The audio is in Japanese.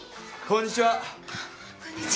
こんにちは。